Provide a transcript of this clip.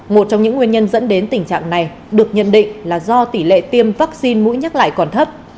một trong những nguyên nhân dẫn đến tình trạng này được nhận định là do tỷ lệ tiêm vaccine mũi nhắc lại còn thấp